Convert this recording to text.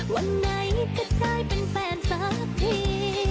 วันไหนจะกลายเป็นแฟนสักที